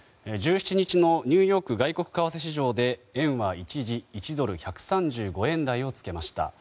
１７日のニューヨーク外国為替市場で円は一時、１ドル＝１３５円台を付けました。